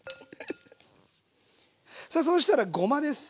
さあそしたらごまです。